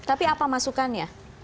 tapi apa masukannya